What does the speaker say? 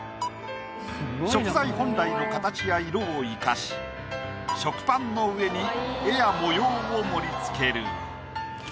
食材本来の形や色を生かし食パンの上に絵や模様を盛り付ける。